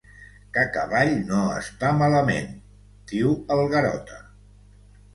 Cacavall no està malament —diu el Garota.